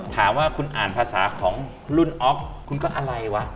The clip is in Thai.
ถามว่าคุณอ่านภาษาของรุ่นอ๊อฟคุณก็อะไรวะ